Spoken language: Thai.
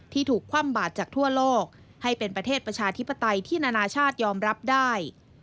ถูกคว่ำบาดจากทั่วโลกให้เป็นประเทศประชาธิปไตยที่นานาชาติยอมรับได้